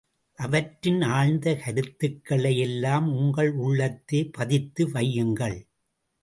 அவற்றின் ஆழ்ந்த கருத்துக்களை யெல்லாம் உங்கள் உள்ளத்தே பதித்து வையுங்கள்.